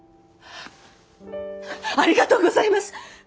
ありがとうございます！